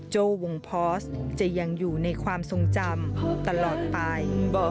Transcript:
โจ้ววงพอสจะยังอยู่ในความทรงจำตลอดไป